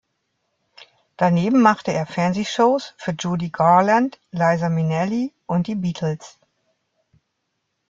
Daneben machte er Fernsehshows für Judy Garland, Liza Minnelli und die Beatles.